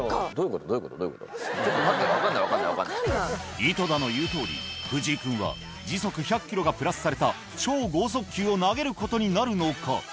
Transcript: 井戸田の言うとおり藤井君は時速１００ｋｍがプラスされた超豪速球を投げることになるのか？